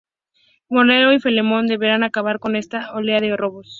Mortadelo y Filemón deberán acabar con esta oleada de robos.